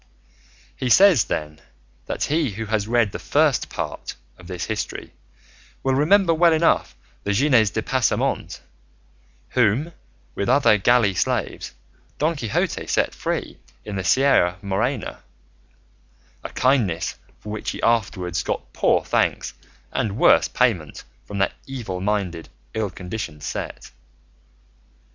He says, then, that he who has read the First Part of this history will remember well enough the Gines de Pasamonte whom, with other galley slaves, Don Quixote set free in the Sierra Morena: a kindness for which he afterwards got poor thanks and worse payment from that evil minded, ill conditioned set.